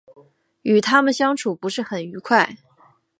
与他们相处不是很愉快